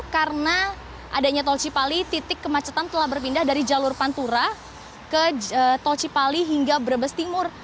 karena adanya tol cipali titik kemacetan telah berpindah dari jalur pantura ke tol cipali hingga brebes timur